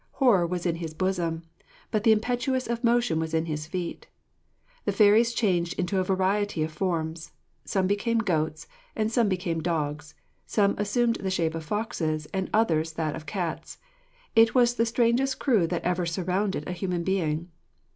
Horror was in his bosom, but the impetus of motion was in his feet. The fairies changed into a variety of forms. Some became goats, and some became dogs, some assumed the shape of foxes, and others that of cats. It was the strangest crew that ever surrounded a human being.